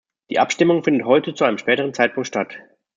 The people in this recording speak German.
Die Abstimmung findet heute zu einem späteren Zeitpunkt statt.